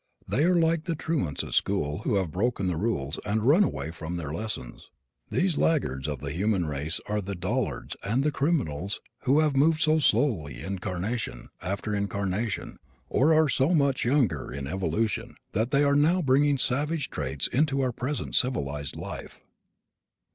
They are like the truants at school who have broken the rules and run away from their lessons. These laggards of the human race are the dullards and the criminals, who have moved so slowly incarnation after incarnation, or are so much younger in evolution, that they are now bringing savage traits into our present civilized life.